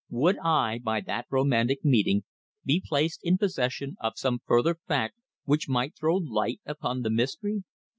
Would I, by that romantic meeting, be placed in possession of some further fact which might throw light upon the mystery?